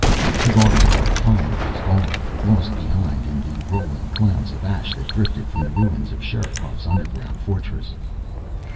The guard who had followed was gone, lost behind in the rolling clouds of ash that drifted from the ruins of Sherikov's underground fortress.